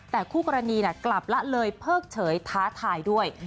แต่คู่กรณีกลับละเลยเพิกเฉยท้าทายด้วย